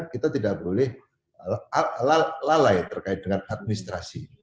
kita tidak boleh lalai terkait dengan administrasi